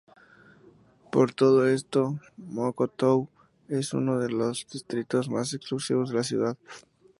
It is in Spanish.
Por todo esto Mokotów es uno de los distritos más exclusivos de la ciudad.